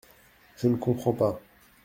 Je ne comprends pas !…